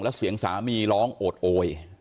แล้วเสียงสามีร้องโอดโอย